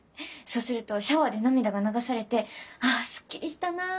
そうするとシャワーで涙が流されて「あすっきりしたな。